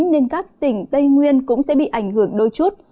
nên các tỉnh tây nguyên cũng sẽ bị ảnh hưởng đôi chút